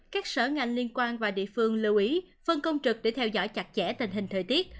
các sở ngành liên quan và địa phương lưu ý phân công trực để theo dõi chặt chẽ tình hình thời tiết